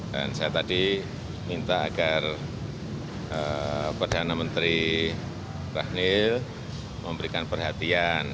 dan saya tadi minta agar perdana menteri ranil memberikan perhatian